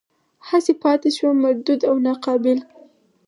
هسې پاتې شوم مردود او ناقابل.